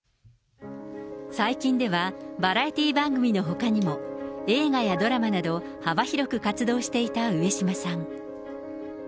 最近では、バラエティー番組のほかにも、映画やドラマなど、幅広く活動していた上島さん。